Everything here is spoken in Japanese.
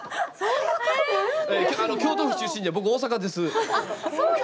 「京都府出身」って僕、大阪です。